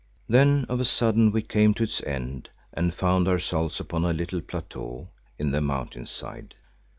Then of a sudden we came to its end and found ourselves upon a little plateau in the mountainside.